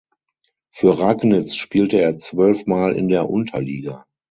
Für Ragnitz spielte er zwölfmal in der Unterliga.